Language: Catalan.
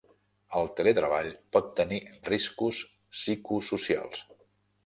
El teletreball pot tenir riscos psicosocials.